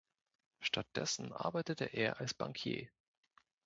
Stattdessen arbeitete er als Bankier.